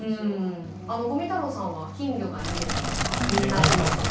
五味太郎さんは「きんぎょがにげた」とか「みんなうんち」とか。